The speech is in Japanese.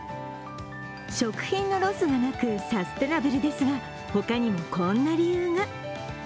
食品のロスがなくサステイナブルですが他にもこんな理由が。